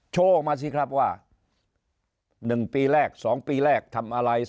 โชว์ออกมาสิครับว่า๑ปีแรก๒ปีแรกทำอะไร